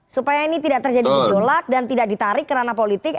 supaya ini tidak terjadi menjolak dan tidak ditarik karena politik